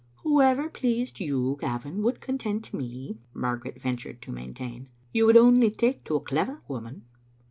"Whoever pleased you, Gavin, would content me," Margaret ventured to maintain. " You would only take to a clever woman."